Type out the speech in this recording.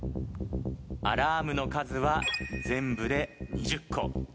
アラームの数は全部で２０個。